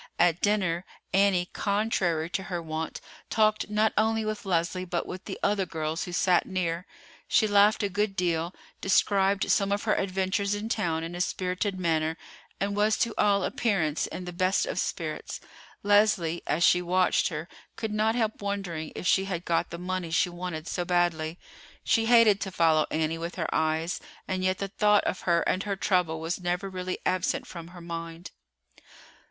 At dinner, Annie, contrary to her wont, talked not only with Leslie but with the other girls who sat near. She laughed a good deal, described some of her adventures in town in a spirited manner, and was to all appearance in the best of spirits. Leslie, as she watched her, could not help wondering if she had got the money she wanted so badly. She hated to follow Annie with her eyes, and yet the thought of her and her trouble was never really absent from her mind.